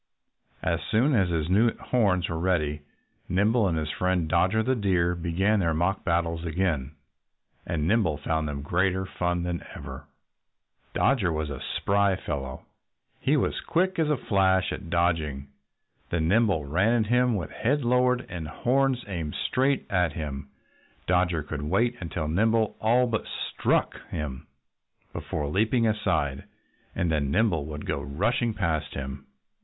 As soon as his new horns were ready Nimble and his friend Dodger the Deer began their mock battles again. And Nimble found them greater fun than ever. Dodger was a spry fellow. He was quick as a flash at dodging. When Nimble ran at him with head lowered and horns aimed straight at him Dodger could wait until Nimble all but struck him, before leaping aside. And then Nimble would go rushing past him.